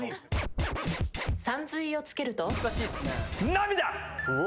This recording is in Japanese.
涙！